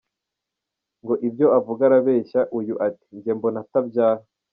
Ngo ibyo avuga arabeshya, uyu ati “ Njye mbona atabyara .